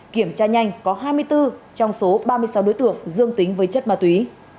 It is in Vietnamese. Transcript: kiểm tra nhanh có hai mươi bốn trong số ba mươi sáu đối tượng dương tính với chất ma túy